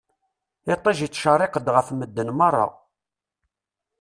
Iṭij ittcerriq-d ɣef medden merra.